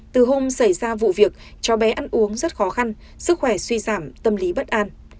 từ hôm xảy ra vụ việc cho bé ăn uống rất khó khăn sức khỏe suy giảm tâm lý bất an